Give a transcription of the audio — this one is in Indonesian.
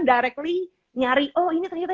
directly nyari oh ini ternyata